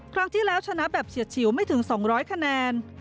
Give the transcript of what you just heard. ครั้งที่แล้วชนะแบบเฉียดฉิวไม่ถึง๒๐๐คะแนน